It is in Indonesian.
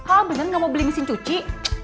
ah bener gak mau beli mesin cuci